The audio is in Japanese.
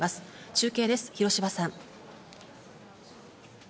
中継です、広芝さん。